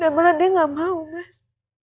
dan malah dia gak mau mas